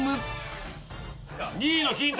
２位のヒントです。